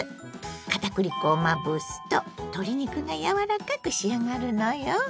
片栗粉をまぶすと鶏肉がやわらかく仕上がるのよ。